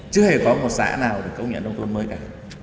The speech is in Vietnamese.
chưa hề có một xã nào được công nhận nông thôn mới cả